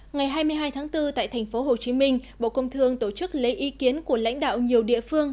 ngày hai mươi hai tháng bốn tại thành phố hồ chí minh bộ công thương tổ chức lấy ý kiến của lãnh đạo nhiều địa phương